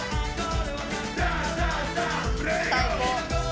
最高。